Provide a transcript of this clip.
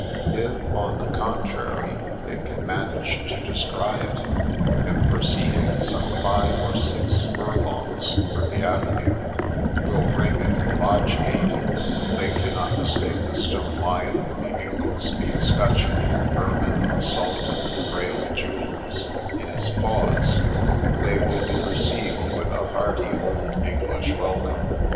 If, on the contrary, they can manage to descry it, and, pro ceeding some five or six furlongs through the avenue, will ring at the Lodge gate, — they cannot mistake the stone lion with the Ingoldsby escutcheon (Ermine, a sal tire engrailed Gules,) in his paws, — they will be received with a hearty old English welcome.